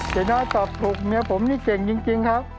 เจ๊น้อยตอบถูกเมียผมนี่เก่งจริงครับ